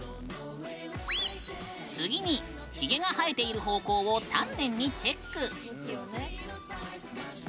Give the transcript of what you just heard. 次に、ひげが生えている方向を丹念にチェック。